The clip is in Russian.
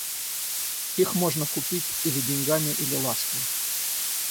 Их можно купить или деньгами или лаской.